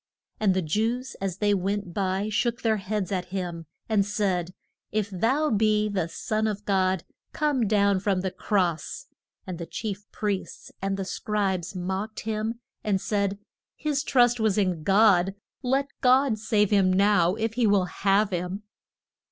And the Jews as they went by shook their heads at him, and said, If thou be the son of God come down from the cross, and the chief priests and the scribes mocked him and said, His trust was in God; let God save him now if he will have him.